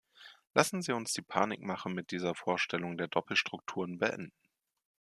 Lassen Sie uns die Panikmache mit dieser Vorstellung der Doppelstrukturen beenden.